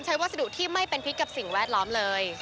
วัสดุที่ไม่เป็นพิษกับสิ่งแวดล้อมเลย